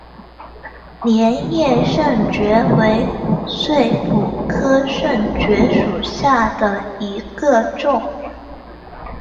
镰叶肾蕨为骨碎补科肾蕨属下的一个种。